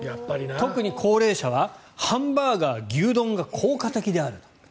特に高齢者はハンバーガー牛丼が効果的であると。